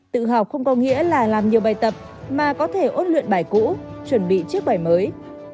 tự học không có nghĩa là làm nhiều bài tập mà có thể ôn luyện bài cũ chuẩn bị trước bài mới